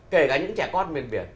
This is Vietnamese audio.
kể cả những trẻ con miền biển